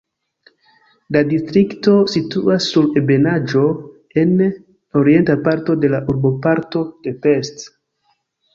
La distrikto situas sur ebenaĵo en orienta parto de urboparto de Pest.